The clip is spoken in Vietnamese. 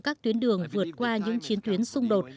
các tuyến đường vượt qua những chiến tuyến xung đột